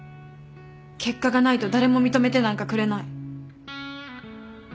結果がないと誰も認めてなんかくれない。